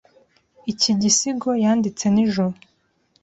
Iki gisigo yanditse nijoro.